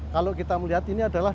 kalau kita melihat ini adalah